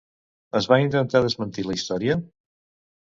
Es va intentar desmentir la història?